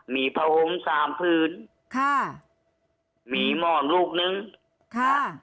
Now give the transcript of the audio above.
มีพระองค์สามพื้นค่ะมีหมอนลูกนึงค่ะ